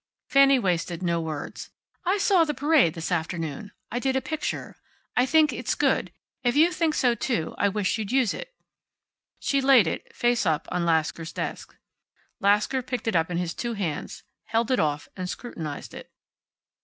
Fanny wasted no words. "I saw the parade this afternoon. I did a picture. I think it's good. If you think so too, I wish you'd use it." She laid it, face up, on Lasker's desk. Lasker picked it up in his two hands, held it off, and scrutinized it.